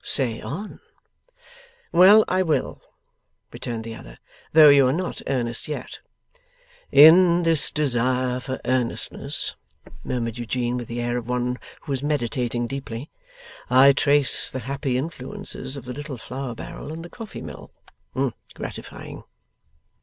Say on.' 'Well, I will,' returned the other, 'though you are not earnest yet.' 'In this desire for earnestness,' murmured Eugene, with the air of one who was meditating deeply, 'I trace the happy influences of the little flour barrel and the coffee mill. Gratifying.